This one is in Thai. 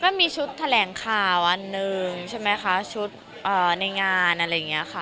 มันมีชุดแถลงข่าวอันหนึ่งใช่ไหมคะชุดในงานอะไรอย่างนี้ค่ะ